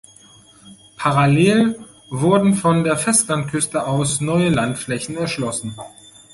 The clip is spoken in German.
Parallel wurden von der Festlandküste aus neue Landflächen erschlossen.